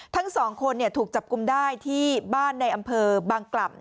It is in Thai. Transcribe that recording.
ทั้งสองคนถูกจับกลุ่มได้ที่บ้านในอำเภอบางกล่ำ